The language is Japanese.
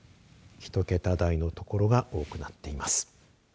１桁台のところが多くなっています。